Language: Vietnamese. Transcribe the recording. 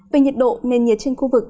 về nhiệt độ nền nhiệt trên khu vực